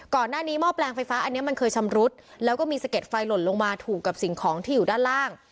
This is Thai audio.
หม้อแปลงไฟฟ้าอันนี้มันเคยชำรุดแล้วก็มีสะเด็ดไฟหล่นลงมาถูกกับสิ่งของที่อยู่ด้านล่าง